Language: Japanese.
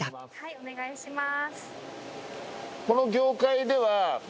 お願いします。